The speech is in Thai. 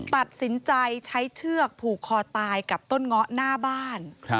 ตัดสินใจใช้เชือกผูกคอตายกับต้นเงาะหน้าบ้าน